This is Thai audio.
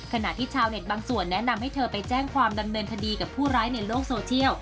ขณะที่ชาวเน็ตบางส่วนแนะนำให้เธอไปแจ้งความดำเนินคดีกับผู้ร้ายในโลกโซเชียล